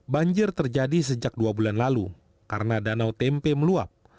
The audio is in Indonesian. banjir terjadi sejak dua bulan lalu karena danau tempe meluap